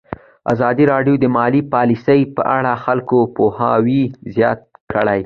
ازادي راډیو د مالي پالیسي په اړه د خلکو پوهاوی زیات کړی.